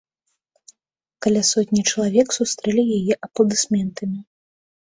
Каля сотні чалавек сустрэлі яе апладысментамі.